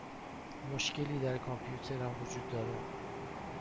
مشکلی در کامپیوترم وجود دارد.